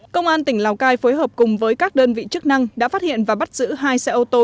công an tỉnh lào cai phối hợp cùng với các đơn vị chức năng đã phát hiện và bắt giữ hai xe ô tô